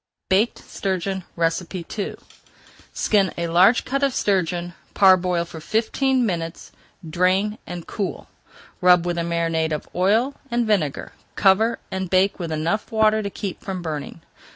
BAKED STURGEON II Skin a large cut of sturgeon, parboil for fifteen minutes, drain, and cool. Rub with a marinade of oil and vinegar, cover, and bake with enough water to keep from burning.